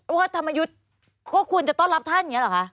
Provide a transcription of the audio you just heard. ว่าธรรมยุทธ์ก็ควรจะต้อนรับท่านอย่างนี้หรอคะ